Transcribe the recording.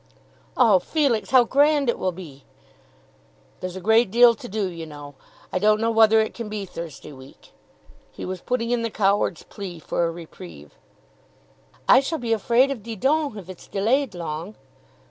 "Oh, Felix, how grand it will be!" "There's a great deal to do, you know. I don't know whether it can be Thursday week." He was putting in the coward's plea for a reprieve. "I shall be afraid of Didon if it's delayed long."